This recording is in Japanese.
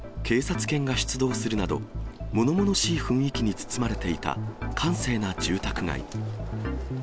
警察犬が出動するなど、ものものしい雰囲気に包まれていた閑静な住宅街。